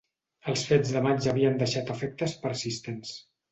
Els fets de maig havien deixat efectes persistents